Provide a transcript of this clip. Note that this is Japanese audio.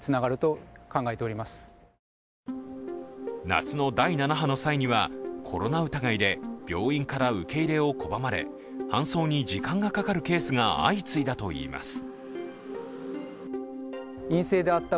夏の第７波の際にはコロナ疑いで病院から受け入れを拒まれ搬送に時間がかかるケースが相次いだといいます。